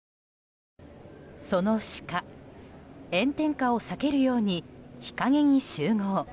そのシカ、炎天下を避けるように日陰に集合。